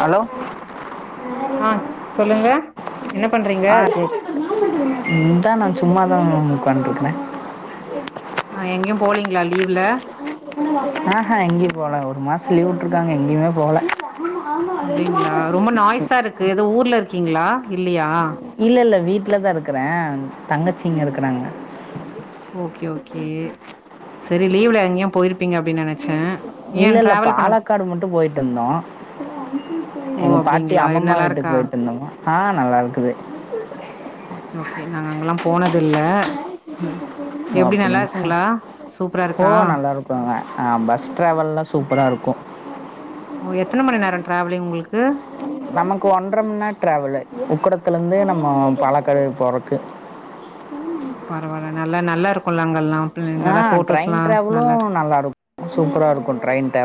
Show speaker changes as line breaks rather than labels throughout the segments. Hello
ஆ சொல்லுங்க என்ன பண்றீங்க
ஆ செ இந்தா நா சும்மா பம் உக்காண்டுருக்கக
ஆ எங்கயும் போலீங்களா லீவ்ல
ஆஹா எங்கயௌ போல ஒரு மாசோ லீவ்வுட்ருக்காங்க எங்கயுமே போல
அப்டிங்ளா ரொம்ப நாய்ஸா இருக்கு எதோ ஊர்ல இருக்கீங்களா இல்லியா
இல்லல்ல வீட் வீட்ல தா இருக்குறே தங்கச்சி இங்க இருக்குறாங்க.
ஓகே ஓகே சரி லீவ்ல எங்கயும் போயிருப்பீங்க அப்டின் நெனச்சே ஏ
இல்லல்ல
டிராவல் பண்ண
பாலக்காடு மட்டு போயிட்டிருந்தோ
ஓ
எங்க பாட்டி
அப்டிங்களா
அம்மம்மா
நல்லா
வீட்டுக்
இருக்கா
போயிட்டிருந்தோ ஆ நல்லாருக்குது
ஓகே ஓகே நாங்க அங்கலாம் ‌போனதில்ல ம்
ஓ
எப்டி
அப்படிங்களா
நல்லாருக்குங்ளா சூப்பரா
ஓ
இருக்கா
நல்லா இருக்குங்க ஆ பஸ் ட்ராவல்லா சூப்பரா இருக்கும்.
ஓ எத்தன மணி நேரோ ட்ராவ்லிங் உங்ளுக்கு
நமக்கு ஒன்றம்மண்நே ட்ராவலு உக்கடத்துலந்து நம்ம பழக்களவ் போறக்கு
ஓ பரவால்ல நல்லா நல்லா இருக்கோல்ல அங்கல்லா
ஆ ட்ரெய்ன் ட்ராவலு நல்லாருக் சூப்பரா இருக்கு ட்ரெயின் [unintelligible]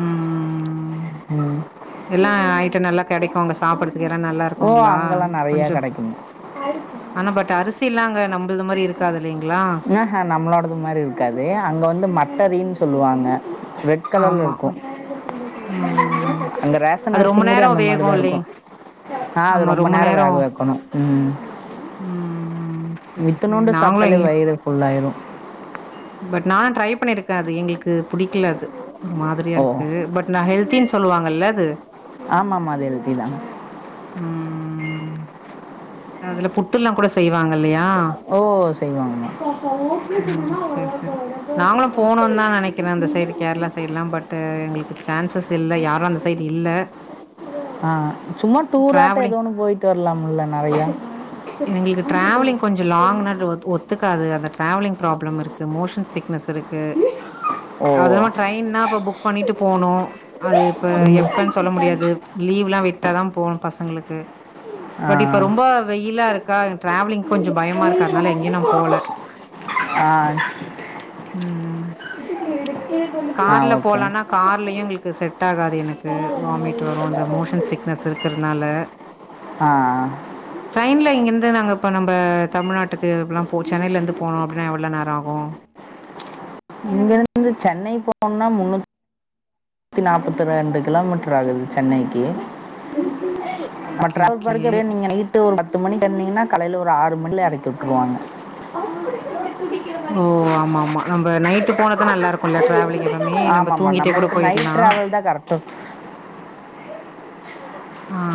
ம் ம் ம் ம் ம் எல்லா ஐய்ட்டோ நல்லா கேடைக்கு அங்கஸ் சாப்புடத் துகிற
ஓ
நல்லாருக்குங்ளா
அங்கெல்லாம் நிறையா
கொஞ்சொ
கிடைக்கும்
ஆனா பட் அரிஸ் அரசில்லாங்க நம்புல்து மாரி இருக்காது இல்லைங்களா
அ ஹ நம்மளோடது மாரி இருக்காது அங்க வந்து மட்டரீன்னு சொல்லுவாங்க ரெட்
ஆமா
கலர்லருக்கூ
ம் ம்.
அந்த ரேஷன்
அது ரொம்ப
அரிசிங்குட
நேரோ
அந்த
வேகு
மாரிதாயிருக்கூ
இல்லைங்
ஆ அது
ஆமா
ரொம்ப நேர
நேரோ
வேவ வெக்கணு ம்
ம் செரி செரி
இத்தனூண்டு
நாங்களு
சாப்ட்டாலே
எங்கயு
வயிறு ஃபுல்லாயிடு
நா ட்ரை பண்ணிருக்கே அது எங்ளுக்கு புடிக்ல அது ஒரு மாதிரியாருக்கு
ஓ
பட் நா ஹெல் தின் சொல்வாங்கல்லது
ஆமாமா அது எல்திதா
ம் அதுல புட்டுலாம் கூட செய்வாங்க ல்லியா
ஓ செய்வாங்கம்மா
ம் ம் செர் செரி நாங்களூ போணூந்தா நெனைக்கிறோ அந்த சைடு கேரளா சைடுலா பட்டு எங்ளுக்கு சான்ஸஸ் இல்ல எங்ளுக்கு யாரூ அந்த சைடு இல்ல
ஆ சும்மா டூராட்ட ஏதோ
ட்ராவலிங்
ஒன்று போயிட்டு வரலாம்ல நிறையா
எங்களுக்கு டிராவலிங் கொஞ்சோ லாங்னா ஒ ஒத் ஒத்துக்காது அந்த டிராவலிங் ப்ராப்ளம் இருக்கு மோஷன் சிக்னஸ் இருக்கு
ஓ
அத ட்ரெயின்னா இப்ப புக் பண்ணிட்டு போகணோ அது இப்ப
ம்.
எப்பன்னு சொல்ல முடியாது லீவ்லா விட்டாதா போகணு பசங் பசங்களுக்கு
ஆ
பட் இப்ப ரொம்ப வெயிலா இருக் கா டிராவலிங் கொஞ்சோ பயமா இருக்கா அதனால எங்கேயு நான் போல
ஆ
உம் உம்
ஆ
கார்ல
ஓகே
போலனா கார்லயு எங்களுக்கு செட் ஆகாது எனக்கு வாமிட் வரு அந்த மோஷன் சிக்னஸ் இருக்கறதுனால
ஆ
ட்ரெயின்ல இங்கிருந்து நாங்க இப்ப நம்ப தமிழ்நாட்டுக்கு பே அப்டில்லா போ இப்போ சென்னையில இருந்து போணும் அப்படின்னா எவ்வளோ நேரோ ஆகூ
இங்கருந்து சென்னை போனோம்னா முன்னூத்தித்தி நாற்பத்தி ரெண்டு கிலோமீட்டர் ஆகுது சென்னைக்கு
ஓகே ஓகே.
[unintelligible]
ஸ்
நைட்டு ஒரு பத்து மணிக்கு சனிங்கன்னா காலையில ஒரு ஆறு மணில எறக்கி விட்ருவாங்க
ஓ ஆமாம்மா நம்ப நைட்டு போனதா நல்லா இருக்கும்ல டிராவலிங் எப்பவுமே நம்ம
ஆமாம்மா
தூங்கிட்டே கூட
நம்மளுக்கு நைட்
போயிட்லா
உ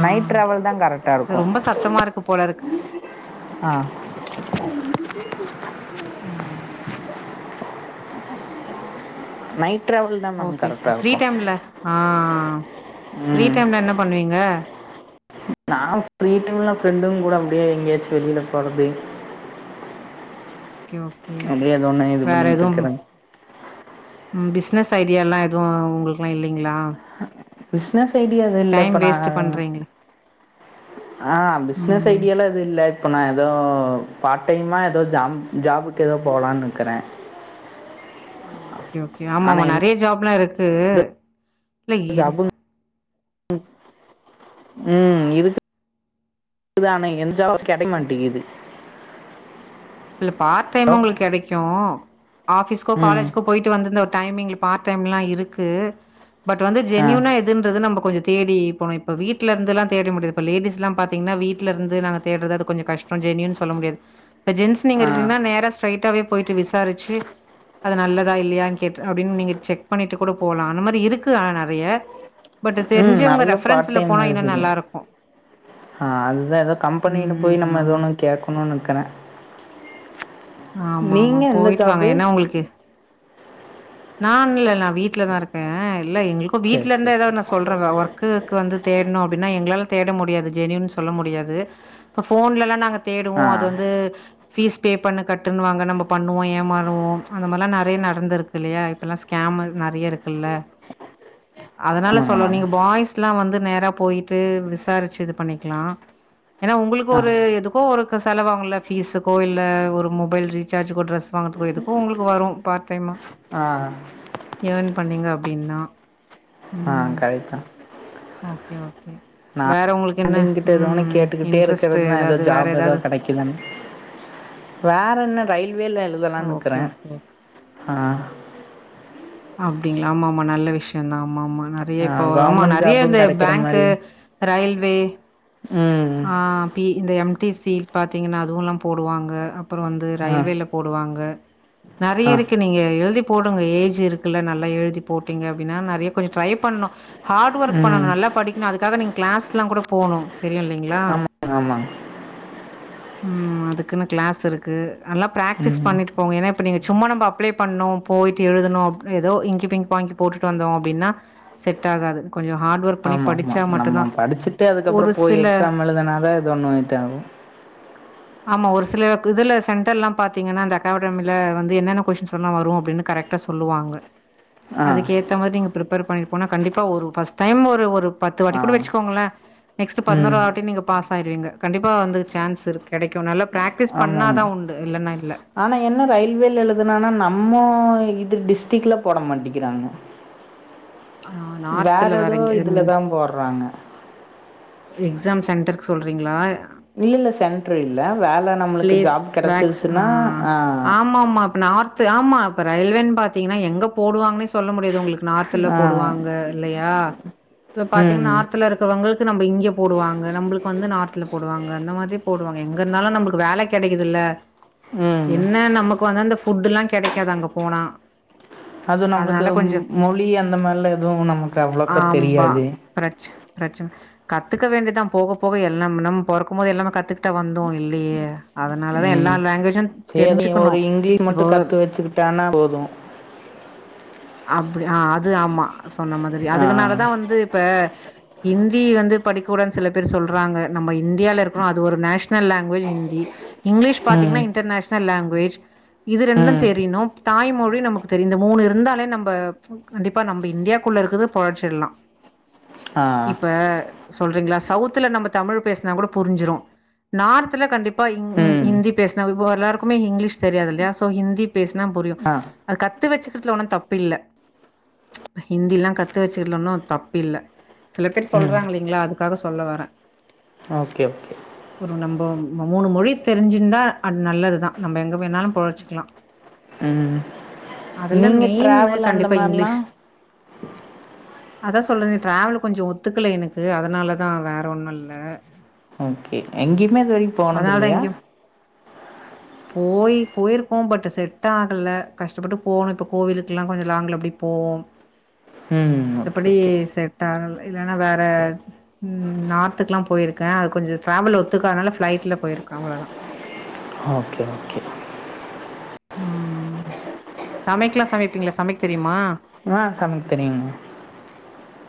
நைட் டிரவல் தா கரெக்டா இருக்கு
இது ரொம்ப சத்தமா இருக்கு போல இருக்கு.
ஆஹ் [unintelligible]
உம்
நை
ஓகே ஃப்ரீ டைம்ல ஆ ஆ ஆ ஃப்ரீ டைம்ல என்ன பண்ணுவீங்க
நா ஃப்ரீ டைம்ல ஃப்ரெண்டுங்கூட அப்டியே எங்கேயாச்சு வெளில போறது
ஓகே ஓகே.
அப்டியே எதோ ஒன்னு இது
வேற
பண்ணிட்டு
எதுவும்
இருக்கிறே
ம் பிஸ்னஸ் ஐடியாலெல்லா எதுவு உங்களுக்கெல்லா இல்லை
பிசனஸ் ஐடியா எது இல்ல
டைம்
இப்ப நா
வேஸ்ட் பண்றீங்களே.
ஆஹ் பிசினஸ்
ம்.
ஐடியாலா எது இல்ல இப்ப நா எதோ பார்ட் டைமா எதோ ஜாம் ஜாபுக்கு எதோ போலான் இருக்கிறே
ஓ ஓகே ஓகே ஆமா ஆமா நெறைய ஜாப் எல்லா இருக் க்கு
[unintelligible] உம் இதுக் தானே எந் ஜாபு கிடை மாட்டிக்குது
இல்ல பார் டைமா உங்களுக்கு கெடைக்கு ஆபிஸ்கோ
ம்
காலேஜ்கோ போயிட்டு வந்திருந்த டைமிங்ல பார்ட் டைம்லா இருக்கு பட் வந்து
ஆ
ஜெனியூனா எதுன்றது நம்ம கொஞ்ச தேடி போன இப்ப வீட்டுலருந்துலா தேட முடியாது இப்ப லேடீஸ் லா பாத்தீங்னா வீட்லருந்து நாங்க தேடுறது அது கொஞ்ச கஷ்டோ ஜெனியூன் சொல்ல முடியாத் இப்ப ஜெ நீங்க
ஆ
இருக்கிறீங்ன்னா நேர ஸ்ரைட்டாகவே போய்ட்டு விசாரிச்சு அது நல்லதா இல்லையா கேட்ரு அப்டின் நீங்க செக் பண்ணிட்டு கூட போலா அந்த மாரி இருக்கு ஆன நெறைய பட்
உம்
தெரிஞ்சவங்க
நெறைய பார்ட்
ரெஃபரன்ஸ்ல
டைம்
போனா இன்னு
இருக்குது
நல்லாருக்கு
ஆஹ் அதுதா எதோ கம்பெனில போயி
ம்
நம்ம
ஆமா
ஏதோன்னு கேட்கணுன் இருக்கிறே
ஆமா ஆமா போயிட்டு வாங்க
ஜாபு
ஏனா உங்களுக்கு நான்லா இல்ல நா வீட்டு்லதா இருக்கே இல்ல எங்களுக்கு
சேரி
வீட்டுல இருந்த
சேரி சேரி
ஏதாது நா சொல்றவ ஒர்க்குக்கு வந்து தேடணு அப்டின்னா எங்களால தேட முடியாது ஜெனியூன் சொல்ல முடியாது இப்ப ஃபோன்லல்லா நாங்க தேடுவோ
ஆ
அது வந்து ஃபீஸ் பே பண்ணு கட்டுன் வாங்க நம்ம பண்ணுவோ ஏமாறுவோ அந்த மாரிலா நெறைய நடந்துருக் இல்லையா இப்பல்லா ஸ்கேம் நெறைய இருக்குல்ல அதனால
ஆமாங்க
சொல்ல
ஆமாங்க
நீங்க பாய்ஸ் [unintelligible] வந்து நேரா போயிட்டு விசாரிச்சு இது பண்ணிக்கலா ஏனா உங்களுக்கு
ஆ
ஒரு எது க்கோ ஒருக்க செலவாகுல்ல ஃபீஸுக்கோ இல் ஒரு மொபைல் ரீசார்ஜ் கோ ட்ரெஸ் வாங்குறதுக்கோ எதுக்கோ உங்களுக்கு வரு பார்ட் டைமா
ஆஹ்
ஏர்ன் பண்ணீங்க அப்டின்னா
ஆ
ம்.
கரட்தா
ஓகே ஓகே வேற உங்களுக்கு என்ன?
[unintelligible] ஏதோன்னு
ம்.
கேட்டுக்கிட்டே
இன்ட்ரெஸ்ட்
இருக்கறதுதா எதோ
ஏதாவது வேற
ஜாப் எதோ
ஏதாவது?
கெடைக்குதானு வேற என்ன ரயில் வேல
ஓகே,
எழுதலானுக்றே
ஓகே, ஓகே.
ஆஹ்
அப்டிங்களா ஆமா ஆமா நல்ல விஷயந்தா ஆமா ஆமா நெறைய
ஆ
இப்போ ஆமா
கவர்மெண்ட்
நெறைய
ஜாபு
இது
கெடைக்கிற
பேங்க்கு
மாரி
ரயில்வே
ம்
ஆஹ் பி இந்த எம் [unintelligible] பாத்தீங்கன்னா அதுவுல்லா போடுவாங்க அப்புறோ வந்து
ஆ
ரயில்வேல போடுவாங்க
ஆ
நெறைய இருக்கு நீங்க எழுதி போடுங்க ஏஜ் இருக்குல்ல நல்லா எழுதி போட்டீங்க அப்டின்னா நெறைய கொஞ்ச ட்ரை பண்ணு ஹார்ட் ஒர்க்
ம்
பண்ணணு நல்லா படிக்கணு அதுக்காக நீங் க்ளாஸ்லா கூட போனு தெரியு ங்களா
ஆமா
உம் அதுக்குன்னு க்ளாஸ் இருக்கு நல்லா ப்ராக்டிஸ்
ம்
பண்ணிட்டு போங்க ஏன்னா இப்ப நீங்க சும்மா நம்ம அப்ளை பண்ணு போயிட்டு எழுதனு ஏதோ இங்கி பிங்கி பாங்கி போட்டுட்டு வந்தோ அப்டின்னா செட் ஆகாது கொஞ்சம் ஹார்ட் ஒர்க் பண்ணி
ஆமா ஆமா
படிச்சா
நம்ம
மட்டும்தான்
படிச்சுட்டு அதுக்கப்புறோ
ஒரு
போய்
சில
எக்ஸாம் எழுதனாதா இது ஒண்ணு இதாவு
ஆமா ஒரு சில இதுல சென்டர் எல்லா பாத்தீங்கன்னா அந்த அகாடமில வந்து என்னென்ன கொஷின்ஸ் எல்லா வரு அப்டின்னு கரெக்டா சொல்லுவாங்க
ஆ
அதுக்கு ஏத்த மாதி நீங்க ப்ரிப் பர் பண்ணிட்டு போனா கண்டிப்பா ஒரு ஃபர்ஸ்ட் டைம் ஒரு ஒரு பத்து வாட்டி
ஆ
கூட வச்சுக்கோங்களே நெக்ஸ்ட்
ம்
பதினோருவாட்டி நீங்க பாஸ் ஆயிடுவீங்க கண்டிப்பா வந்து சான்ஸ் இருக் கெடைக்கு நல்லா
ஆமா ஆமா
இல்லன்னா இல்ல.
ஆனா என்ன ரயில்வேல எழுதுனனா நம்மோ இது டிஸ்டரிக்ல போட மாட்டிக்கிறாங்க
ஆ
வேற
நார்த்ல
எதோ
எங்க ஐ மீன்
இதுலதா போட்றாங்க
எக்ஸாம் சென்டரு சொல்றீங்களா
இல்ல இல்ல சென்ட்ரு இல்ல வேல நம்மளுக்கு
ப்ளேஸ்
ஜாப்
வேக்ஸ்
கெடைச்சிருச்சுன்னா
ஆஹ்
ஆ
ஆமா ஆமா இப்ப நார்த் ஆமா இப்ப ரயில்வேன் பாத்தீங்கன்னா எங்க போடுவாங்கன்னே சொ சொல்ல முடியாது உங்களுக்கு நார்த்ல
ஆ
போடுவாங்க இல்லையா இப்ப பாத்தீங்கன்
ம்
நார்த்ல இருக்கிறவங்களுக்கு நம்ப இங்க போடுவாங்க நம்பளுக்கு வந்து நார்த்ல போடுவாங்க அந்த மாதிரி போடுவாங்க எங்க இருந்தாலு நம்மளுக் வேல கெடைக்குதுல்ல
ம்
என்ன நமக்கு வந்து அந்த ஃபுட்டு்ல்லா கெடைக்காது அங்க போனா
அது நம்மளுக்கு
அதனால கொஞ்சோ
மொழி அந்த மாரிலா எதுவு நமக்கு அவ்ளோக்க
ஆம்பா
தெரியாது
பிரச்ச பிரச்சன கத்துக்க வேண்டியதா போக போக எல்லா நம்ம பொறக்கும்போதே எல்லாமே கத்துக் கிட்டா வந்தோ இல்லையே அதனாலதா எல்லா
ம்
லாங்குவேஜு
சேரி
தெரிஞ்சுக்கணு
ஒரு இங்கிலீ மட்டு
இப்போ
கத்து வெச்சுக்கிட்டானா போது
அப்டி ஆ அது ஆமா சொன்ன மாதிரி
ஆ
அதுகனாலதா வந்து இப்ப ஹிந்தி வந்து படிக்க கூடாதுன்னு சில பேர் சொல்றாங்க நம்ம இந்தியால இருக்கிறோ அது ஒரு நேஷ்னல் லாங்குவேஜ் ஹிந்தி இங்கிலீஷ்
ம்
பாத்தீங்கன்னா இன்டர்நேஷனல் லாங் வேஜ் இது ரெண்டு
ம்
தெரியணு தாய்மொழி நமக்கு தெரிந்த மூணு இருந்தாலே நம் ம்ப கண்டிப்பா நம்ம இந்தியாக்குள்ள இருக்குது பொழ்ச்சிடலா
ஆ
இப்ப சொல்றீங்களா சவுத்ல நம்ம தமிழ் பேசினா கூட புரிஞ்சிடும் நார்த்ல கண்டிப்பா ப்ப ங்
ம்
ஹிந்தி பேசினா ப்ப எல்லாருக்குமே இங்கிலீஷ் தெரியாதுல்லையா சோ ஹிந்தி- பேசினா புரியும்
ஆ
அது கத் கத்து வச்சுக்குருதுல ஒன்னு தப் ப்பில்ல ப்ப ஹிந்தில்லா கத்து வச்சிருந்தனா தப்பு இல்ல சில பேர்
ம்
சொல்றாங்க இல்லைங்களா அதுக்காக சொல்ல வர்ற
ஓகே ஓகே
மூணு மொழி தெரிஞ்சிருந்தா அது நல்லதுதா நம்ம எங்க வேணாலும் பொழச்சுக்கலா
உம்
அதுல
நீங்க
மெயின்னு
ட்ராவல் அந்த
கண்டிப்பா
மாரிலா
இங்கிலீஷ் அதா சொல்றனே டிராவல் கொஞ்ச ஒத்துக்கல எனக்கு அதனாலதா வேற ஒன்னு இல்ல
ஓக்கே எங்கி- [unintelligible] இது வரைக்கு போனது
அதனாலதா
இல்லியா
எங்கேயு போய் போயிருக்கோ பட் செட் ஆகல கஷ்டப்பட்டு போணு இப்ப கோயிலுக்கெல்லா கொஞ்சோ லாங்ல அப்டி போவோ ம்
ஓகே
மத்தபடி
ஓகே
செட்டாகல இல்லனா வேற நார்த்துக்கெல்லா போயிருக்க அது கொஞ்சோ ட்ராவல் ஒத்துக்கானால ஃப்ளைட்ல போயிருக்க அவ்ளதா
ஓகே ஓகே
உம் சமைக்கல்லா சமைப்பீங்களா சமைக்க தெரியுமா
ஆஹ் சமைக்க தெரியுங்க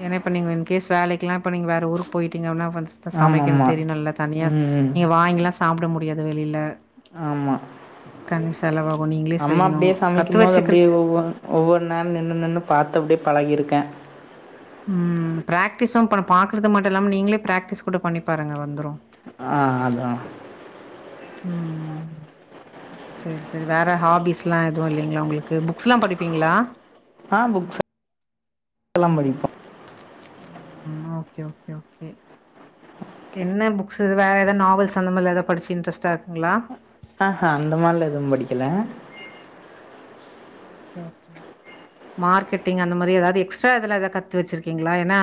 ஏன்ன இப்ப நீங்க இன்கேஸ் வேலைக்கெல்லா இப்ப வேற ஊருக்கு போயிட்டீங்கனா வ சமைக்க
ஆமாம்மா
தெரியு நல்ல தனியா
ம்
நீங்க வாங்கிலா சாப்பிட முடியாத வெளியில
ஆமா
கணுஷ் [unintelligible]
அம்மா அப்படியே சமைக்கு போது அப்படியே ஒவ்வ ஒவ்வொரு ஒவ்வொரு நேரோ நின்னு நின்னு பாத்து அப்பிடியே பழகியிருக்க
உம் பிராக்டிஸும் ம் பாக்குறது மட்டு இல்லாம நீங்களே பிராக்டிஸ் கூட பண்ணி பாருங்க வந்துரு
ஆ அதா
உம் சரி சரி வேற ஹாபிஸ் லா எதுவு இல்லைங்ளா உங்களுக்கு புக்ஸ் ல்லா படிப்பீங்களா
ஆ புக்ஸ் எல்லா படிப்பா
ஓகே ஓகே ஓகே என்ன புக்ஸ் வேற ஏத நாவல்ஸ் அந்த மாதிரி ஏத படிச்சு இன்ட்ரெஸ்ட்டா இருக்குங்களா
ஆஹ்ஹ அந்த மாதிரில எதுவும் படிக்கல
மார்க்கெட்டிங் அந்த மாரி ஏதாவது எக்ஸ்ட்ரா எதல்லா ஏதாவது கத்து வச்சிருக்கீங்களா ஏன்னா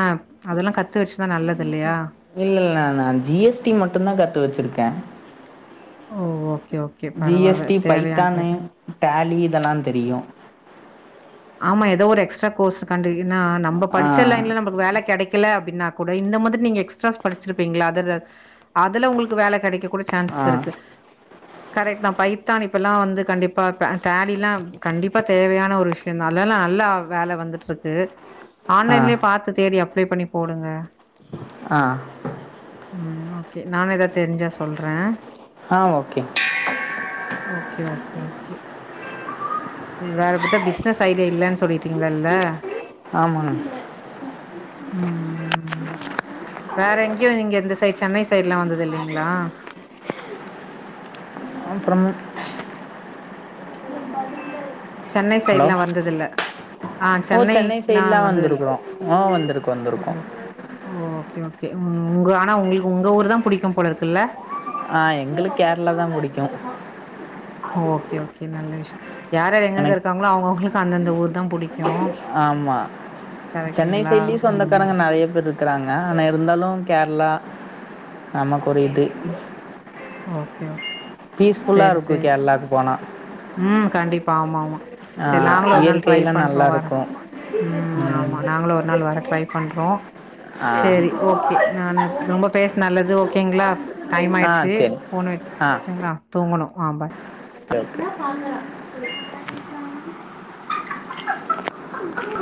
அதெல்லா கத்து வச்சுதா நல்லது இல்லையா
இல்ல இல்ல நா ஜி எஸ் டி மட்டுந் தா கத்து வச்சிருக்கே
ஓ ஓ
G S T Python Tally இதெல்லா தெரியு
ஆமா ஏதோ ஒரு எக்ஸ்ட்ரா கோர்ஸ் கண்டு இது னா நம்ம
ஆ
படிச்ச லைன்ல நமக்கு வேல கெடைக்கு படிக்கல அப்டினா கூட இந்த மாதிரி நீங்க எக்ஸ்ராஸ் படிச்சிருபிங்ள அதர் அதுல உங்களுக்கு வேல கெடைக்க கூட சேஞ்சஸ்
ஆ
இருக்கு கரெக்ட் தா பைத்தான் இப்பெல்லா வந்து கண்டிப்பா பே டேலிலா கண்டிப்பா தேவையான ஒரு விஷியோ அதனால லா நல்லா வேலை வந்துட்டு இருக்கு
ஆ
ஆன்லைன்லயே பாத்து தேடி அப்ளை பண்ணி போடுங்க
ஆ
ம் ஓகே நானு எதா தெரிஞ்சா சொல்றே
ஆ ஓகே
ஓகே ஓகே ஓகே ம் வேற பாத்தா பிசினஸ் ஐடியா இல்லன்னு சொல்லிட்டீங்கல்ல
ஆமாங்
ம் வேற எங்யு நீங்க இந்த சைடடு சென்னை சைடெல்லா வந்தது இல்லிங்ளா
அப்புறம்
சென்னை
ஹலோ
சைடெல்லா வந்ததில்ல ஆ
ஓ சென்னை
சென்னைக்லா
சைடெல்லா
வந்ததில்ல
வந்திருக்கிறோ ஓ வந்திருக்கோ வந்திருக்கோ
கே ம் உங்க ஆனா உங்களுக்கு உங்க ஊர்தான் புடிக்கும்போல இருக்குல்ல
ஆ எங்களுக் கேரளாதா புடிக்கு
ஓகே ஓகே நல்ல விஷ் யார் யார் எங்கங்க
எனக்கு
இருக்காங்ளோ அவுங் அவுங்களுக் அந்தந்த ஊர்தா புடிக்
ஆமா சென்னை
கரெக்ட்டுங்களா
சைடுலயு
ம்
சொந்தக்காரங்க நெறயா பேர் இருக்கிறாங்க ஆனா இருந்தாலு கேரளா நமக்கொரு இது
ஓகே ஓகே
பீஸ்ஃபுல்லா
சேரி
இருக்கு
சேரி
கேரளாக்கு போனா
ம் கண்டிப்பா ஆமாமா
ஆ,
செரி நாங்களு ஒரு நாள் ட்ரை
இயற்கையெல்லாம்
பண்றோ
நல்லா
வர
இருக்கும்
ம் ஆமா நாங்களு ஒரு நாள் வர ட்ரை பண்றோ
ஆ
சேரி ஓகே நானு ரொம்ப பேச நல்லதோ க்கீங்ளா டைம்
ஆ
ஆயிருச்சு.
சரி ஆ
[unintelligible] தோ உங்கணும் ஆ ஃபாய்